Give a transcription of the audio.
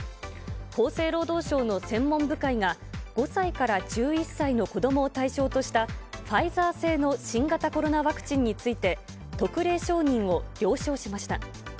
厚生労働省の専門部会が、５歳から１１歳の子どもを対象とした、ファイザー製の新型コロナワクチンについて、特例承認を了承しました。